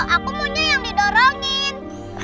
aku punya yang didorongin